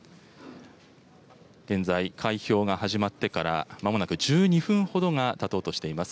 現在、開票が始まってから、まもなく１２分ほどがたとうとしています。